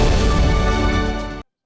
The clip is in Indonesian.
terima kasih pak ustaz